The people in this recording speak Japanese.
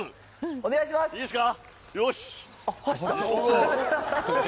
お願いします。